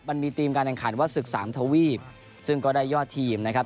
ทีมการแข่งขันว่าศึกสามทวีปซึ่งก็ได้ยอดทีมนะครับ